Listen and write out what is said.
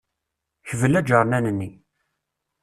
Kbel ajernan-nni.